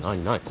何？